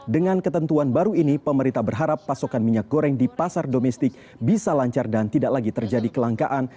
dengan ketentuan baru ini pemerintah berharap pasokan minyak goreng di pasar domestik bisa lancar dan tidak lagi terjadi kelangkaan